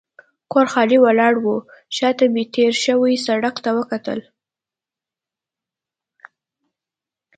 کور خالي ولاړ و، شا ته مې تېر شوي سړک ته وکتل.